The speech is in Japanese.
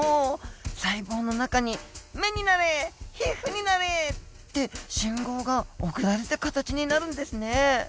細胞の中に目になれ皮膚になれって信号が送られて形になるんですね。